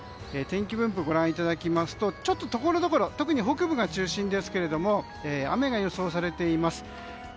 天気分布をご覧いただきますとところどころ特に北部が中心ですが雨が予想されています。